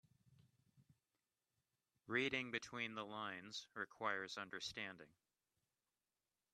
Reading between the lines requires understanding.